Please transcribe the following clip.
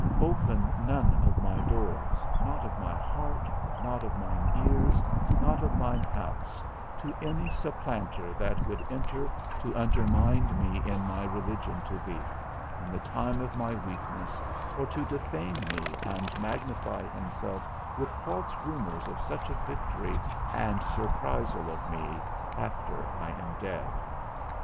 Open none of my doors, not of my heart, not of mine ears, not of my house, to any supplanter that would enter to undermine me in my religion to thee, in the time of my weakness, or to defame me, and magnify himself with false rumours of such a victory and surprisal of me, after I am dead.